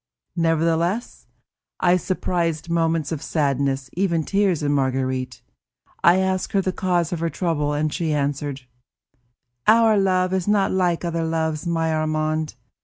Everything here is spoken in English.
Nevertheless, I surprised moments of sadness, even tears, in Marguerite; I asked her the cause of her trouble, and she answered: "Our love is not like other loves, my Armand.